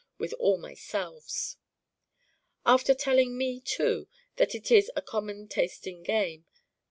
with all my selves. After telling Me too that it is a common tasting game.